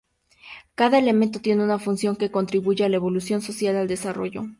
Cada elemento tiene una función que contribuye a la evolución social, al desarrollo.